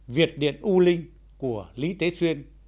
việt điện u linh của lý tế xuyên